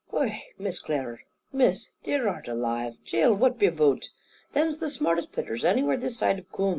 "Whai, Miss Clerer, Miss, dear art alaive, cheel, what be 'bout? Them's the smartest picters anywhere this saide of Coorn.